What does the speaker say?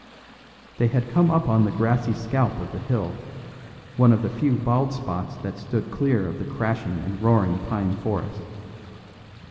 They had come up on the grassy scalp of the hill, one of the few bald spots that stood clear of the crashing and roaring pine forest.